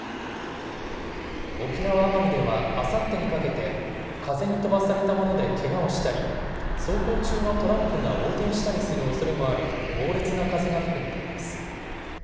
沖縄・奄美ではあさってにかけて、風に飛ばされた物でけがをしたり、走行中のトラックが横転したりするおそれもある猛烈な風が吹く見込みです。